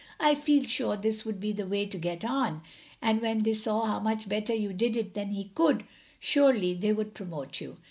I feel sure this would be the way to get on ; and when they saw how much better you did it than he could, surely they would promote you.